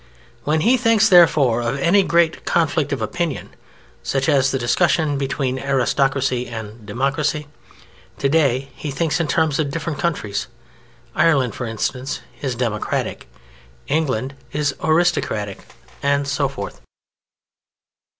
When he thinks, therefore, of any great conflict of opinion, such as the discussion between aristocracy and democracy today, he thinks in terms of different countries. Ireland, for instance, is Democratic, England is Aristocratic—and so forth.